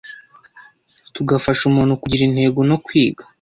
tugafasha umuntu kugira intego no kwiga